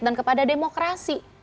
dan kepada demokrasi